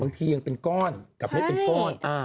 บางทียังเป็นก้อนกลับไม่เป็นก้อนอ่า